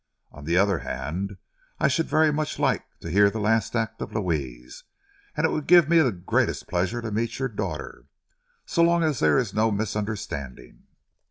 On the other hand, I should very much like to hear the last act of 'Louise,' and it would give me the greatest pleasure to meet your daughter. So long as there is no misunderstanding."